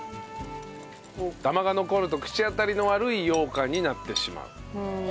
ダマが残ると口当たりの悪いようかんになってしまう。